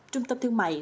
trung tâm thương mại